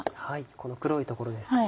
この黒い所ですね。